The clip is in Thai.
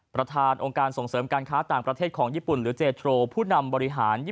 ประธานองค์การส่งเสริมการค้าต่างประเทศของญี่ปุ่นหรือเจโทรผู้นำบริหาร